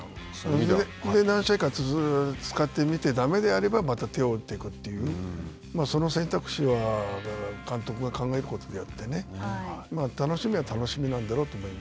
何試合か使ってみて、だめであればまた手を打っていくという、その選択肢は、監督が考えることであってね、楽しみは楽しみなんだろ